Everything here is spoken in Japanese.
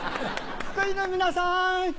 福井の皆さん